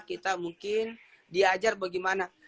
kita mungkin diajar bagaimana